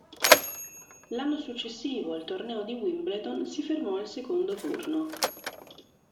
L'anno successivo al torneo di Wimbledon si fermò al secondo turno.